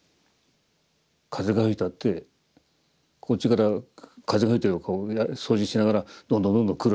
風が吹いたってこっちから風が吹いてれば掃除しながらどんどんどんどん来るわけですね。